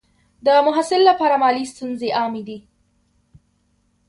د محصل لپاره مالي ستونزې عامې دي.